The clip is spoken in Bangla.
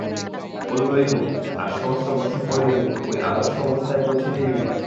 কল্যই হউক, আর সহস্র বর্ষ পরেই হউক, ঐ আদর্শ অবস্থায় পৌঁছিতেই হইবে।